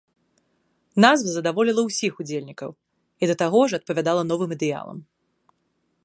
Назва задаволіла ўсіх удзельнікаў і да таго ж адпавядала новым ідэалам.